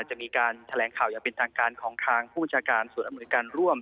จะมีการแถลงข่าวอย่างเป็นทางการของทางผู้จัดการส่วนอำนวยการร่วม